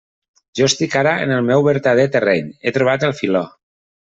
Jo estic ara en el meu verdader terreny; he trobat el filó.